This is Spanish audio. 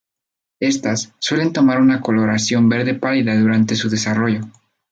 Estas, suelen tomar una coloración verde pálida durante su desarrollo.